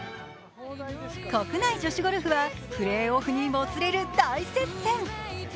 国内女子ゴルフはプレーオフにもつれ込む大接戦。